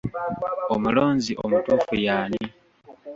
Omulonzi omutuufu y'ani?